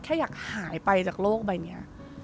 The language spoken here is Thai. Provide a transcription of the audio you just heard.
แค่อยากหายไปจากโลกไปอย่างนี้